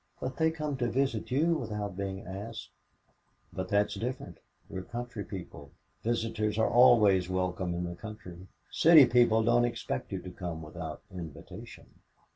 "But they come to visit you without being asked." "But that's different. We are country people. Visitors are always welcome in the country. City people don't expect you to come without invitation."